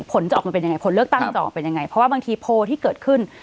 ผลจะออกมาเป็นยังไงผลเลือกตั้งจะออกเป็นยังไงเพราะว่าบางทีโพลที่เกิดขึ้น